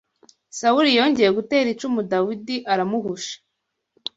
Sawuli yongeye gutera icumu Dawidi aramuhusha